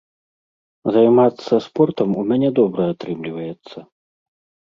Займацца спортам у мяне добра атрымліваецца.